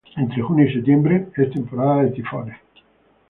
Entre junio y septiembre, es temporada de tifones.